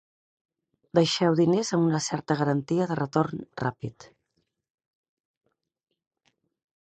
Deixeu diners amb una certa garantia de retorn ràpid.